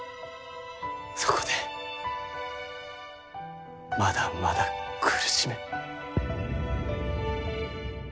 そこでまだまだ苦しめ。